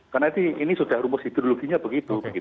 karena ini sudah rumus ideologinya begitu